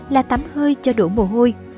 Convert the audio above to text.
là tắm hơi cho đủ mồ hôi